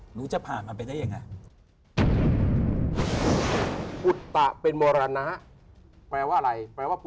หนูจะผ่านมาเป็นได้อย่างไร